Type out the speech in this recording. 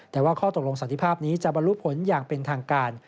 แต่ว่าข้อตกลงสันติภาพนี้จะบรรลุผลอย่างเป็นทางการ